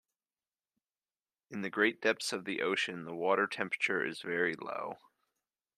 In the great depths of the ocean the water temperature is very low.